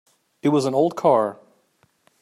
It was an old car.